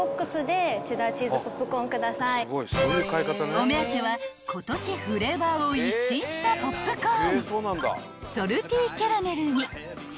［お目当ては今年フレーバーを一新したポップコーン］